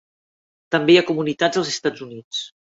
També hi ha comunitats als Estats Units.